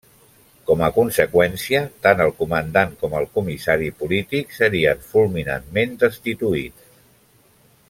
Com a conseqüència, tant el comandant com el comissari polític serien fulminant destituïts.